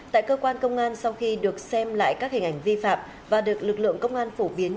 tại cơ quan công an sau khi được xem lại các hình ảnh vi phạm và được lực lượng công an phổ biến